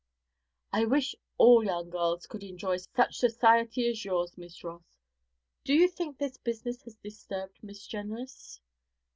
'I wish all young girls could enjoy such society as yours, Miss Ross. Do you think this business has disturbed Miss Jenrys?'